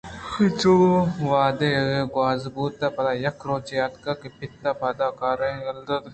انچو وہد گوٛازں بوت پد ا یک روچے اتک کہ پت ءِ پاداں کار یلہّ دات اَنت